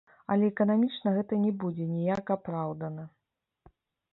Але эканамічна гэта не будзе ніяк апраўдана.